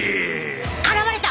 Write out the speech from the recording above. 現れた！